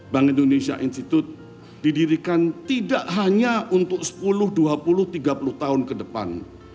bank indonesia institute didirikan tidak hanya untuk sepuluh dua puluh tiga puluh tahun ke depan